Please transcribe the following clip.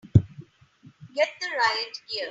Get the riot gear!